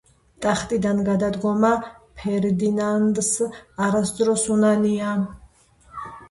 ტახტიდან გადადგომა ფერდინანდს არასდროს უნანია.